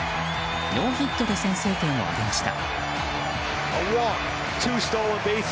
ノーヒットで先制点を挙げました。